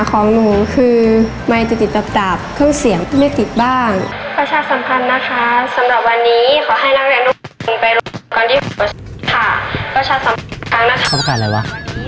ข้อประกาศอะไรวะ